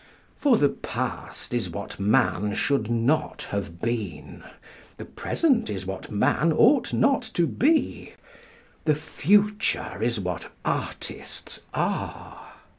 For the past is what man should not have been. The present is what man ought not to be. The future is what artists are.